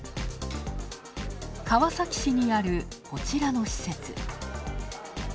川崎市にある、こちらの施設。